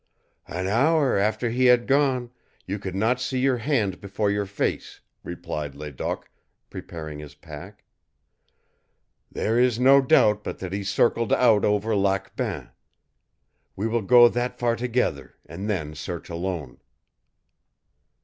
"An hour after he had gone, you could not see your hand before your face," replied Ledoq, preparing his pack. "There is no doubt but that he circled out over Lac Bain. We will go that far together, and then search alone."